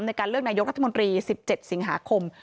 ในการเลือกนายกรัฐมนตรี๑๗สิงหาคม